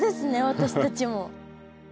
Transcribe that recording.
私たちも。